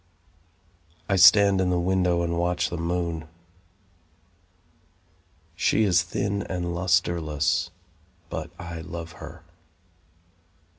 I stand in the window and watch the moon. She is thin and lustreless, But I love her.